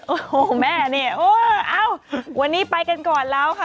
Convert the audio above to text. โอ้โหแม่นี่โอ้เอ้าวันนี้ไปกันก่อนแล้วค่ะ